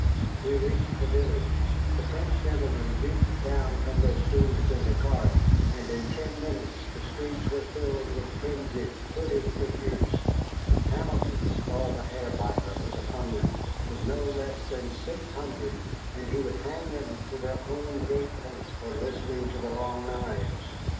We reached the village, the French gentlemen leaped down from their stools in the cart, and in ten minutes the streets were filled with frenzied, hooded figures. Hamilton, called the Hair Buyer, was upon them with no less than six hundred, and he would hang them to their own gateposts for listening to the Long Knives.